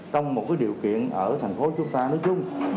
trong một điều kiện ở thành phố chúng ta nói chung